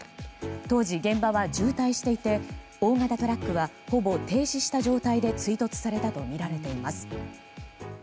当時、現場は渋滞していて大型トラックはほぼ停止した状態で追突されたとみられています。